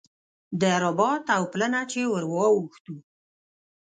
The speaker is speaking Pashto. د رباط له پله نه چې ور واوښتو.